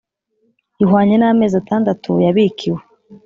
ihwanye n amezi atandatu yabikiwe